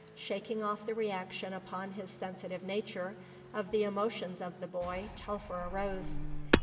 Shaking off the reaction upon his sensitive nature of the emotions of the boy Telfer arose.